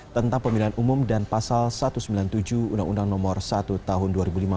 tentang pemilihan umum dan pasal satu ratus sembilan puluh tujuh undang undang nomor satu tahun dua ribu lima belas